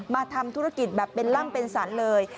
มาทำธุรกิจแบบเป็นล่ำเป็นสรรเลย